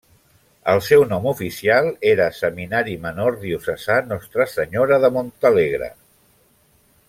El seu nom oficial era Seminari Menor Diocesà Nostra Senyora de Montalegre.